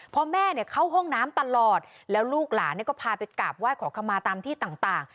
พอแม่เข้าห้องน้ำตลอดแล้วลูกหลานก็พาไปกราบไหว้ขอคำมาตามที่ต่าง